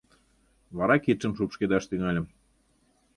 Вара кидшым шупшкедаш тӱҥальым.